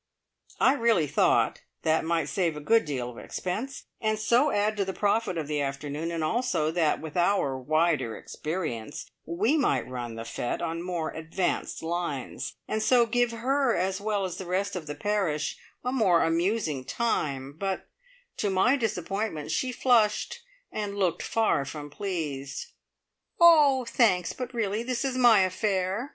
I really thought that might save a good deal of expense, and so add to the profit of the afternoon, and also that with our wider experience we might run the fete on more advanced lines, and so give her, as well as the rest of the parish, a more amusing time; but to my disappointment she flushed, and looked far from pleased. "Oh, thanks, but really, this is my affair!